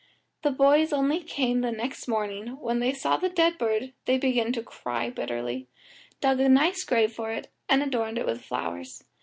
The boys only came the next morning; when they saw the dead bird, they began to cry bitterly, dug a nice grave for it, and adorned it with flowers.